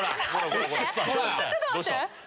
ちょっと待って！